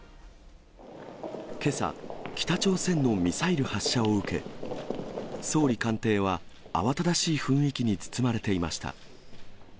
けさ、北朝鮮のミサイル発射を受け、総理官邸は慌ただしい雰囲気に包まれていました。